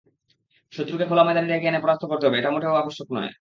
শত্রুকে খোলা ময়দানে ডেকে এনে পরাস্ত করতে হবে, এটা মোটেও আবশ্যক নয়।